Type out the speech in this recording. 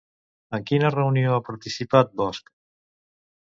En quina reunió ha participat Bosch?